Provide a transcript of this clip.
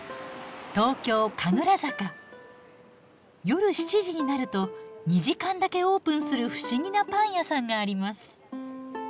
夜７時になると２時間だけオープンする不思議なパン屋さんがあります。